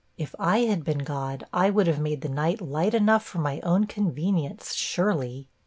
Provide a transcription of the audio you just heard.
If I had been God, I would have made the night light enough for my own convenience, surely.'